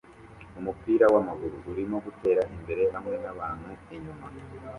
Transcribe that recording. Umupira wamaguru urimo gutera imbere hamwe nabantu inyuma